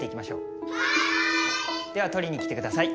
はーい！では取りに来てください。